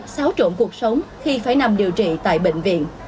xáo trộn cuộc sống khi phải nằm điều trị tại bệnh viện